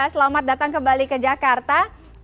selamat datang kembali ke jakarta